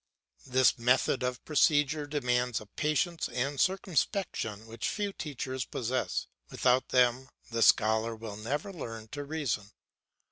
This method of procedure demands a patience and circumspection which few teachers possess; without them the scholar will never learn to reason.